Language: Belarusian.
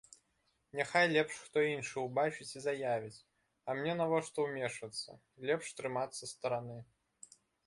Няхай лепш хто іншы ўбачыць і заявіць, а мне навошта ўмешвацца, лепш трымацца стараны.